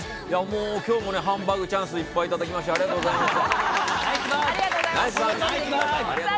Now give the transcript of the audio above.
今日もハンバーグチャンスいっぱいいただきまして、ありがとうございます。